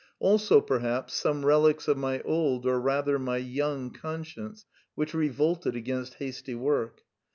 Also, perhaps, some relics of my old, or rather my young conscience, which re volted against hasty work.